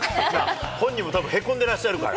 本人もたぶん、へこんでらっしゃるから。